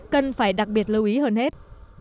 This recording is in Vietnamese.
cần phải đặc biệt lưu ý hơn hết